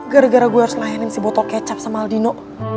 gara gara gue harus nayin si botol kecap sama aldino